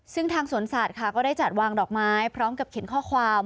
ซึ่งทางสวนสัตว์ค่ะก็ได้จัดวางดอกไม้พร้อมกับเขียนข้อความ